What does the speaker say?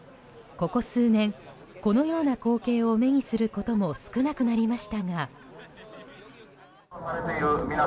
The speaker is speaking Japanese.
ここ数年このような光景を目にすることも少なくなりましたが。